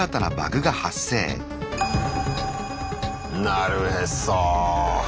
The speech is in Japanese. なるへそ。